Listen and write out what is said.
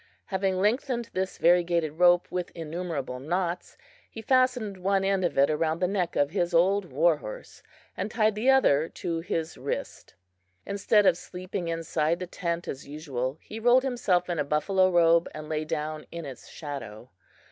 Having lengthened this variegated rope with innumerable knots, he fastened one end of it around the neck of his old war horse, and tied the other to his wrist. Instead of sleeping inside the tent as usual, he rolled himself in a buffalo robe and lay down in its shadow.